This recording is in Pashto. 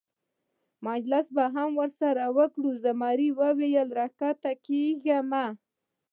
مجلس به هم سره وکړو، زمري وویل: را کښته کېږه مه.